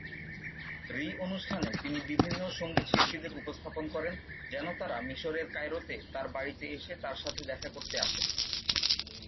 রি অনুষ্ঠানে তিনি বিভিন্ন সঙ্গীতশিল্পীদের উপস্থাপন করেন যেন তারা মিশর এর কায়রোতে তার বাড়িতে এসে তার সাথে দেখা করতে আসেন।